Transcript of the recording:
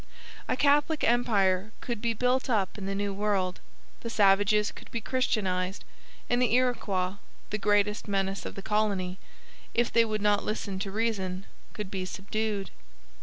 A Catholic empire could be built up in the New World, the savages could be christianized, and the Iroquois, the greatest menace of the colony, if they would not listen to reason, could be subdued.